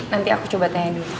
nanti aku coba tanyain dulu